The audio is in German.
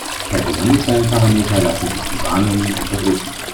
Per Kommandozeilenparameter lassen sich die Warnungen unterdrücken.